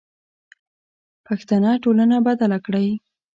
پښتنه ټولنه بدله کړئ.